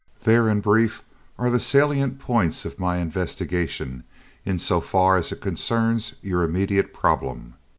There, in brief, are the salient points of my investigation in so far as it concerns your immediate problem."